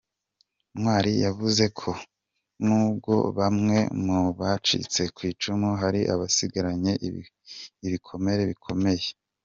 Ntwali yavuze ko nubwo bamwe mu bacitse ku icumu hari abasigaranye ibikomere bikomere.